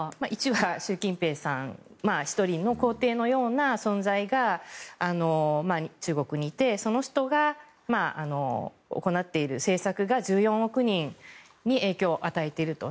１は、習近平さん１人の皇帝のような存在が中国にいてその人が行っている政策が１４億人に影響を与えていると。